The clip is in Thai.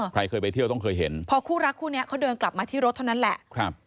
ใครเคยไปเที่ยวต้องเคยเห็นพอคู่รักคู่นี้เขาเดินกลับมาที่รถเท่านั้นแหละ